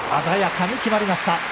鮮やかに決まりました。